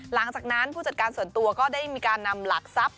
หลังจากนั้นผู้จัดการส่วนตัวก็ได้มีการนำหลักทรัพย